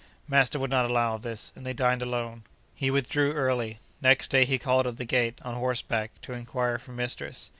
Master would not allow of this, and they dined alone. He withdrew early. Next day he called at the gate, on horseback, to inquire for mistress.